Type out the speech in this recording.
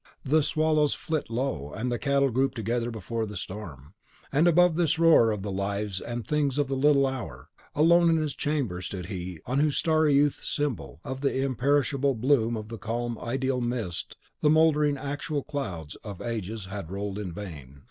The swallows flit low, and the cattle group together before the storm. And above this roar of the lives and things of the little hour, alone in his chamber stood he on whose starry youth symbol of the imperishable bloom of the calm Ideal amidst the mouldering Actual the clouds of ages had rolled in vain.